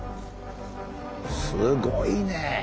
すごいね！